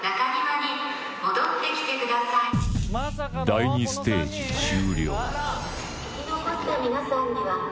第２ステージ終了